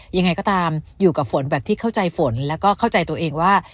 ยังไงก็ตามอยู่กับฝนแบบที่เข้าใจฝนแล้วก็เข้าใจตัวเองว่า